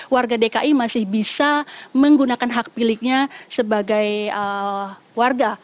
warga dki masih bisa menggunakan hak pilihnya sebagai warga